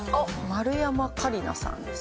丸山桂里奈さんですね。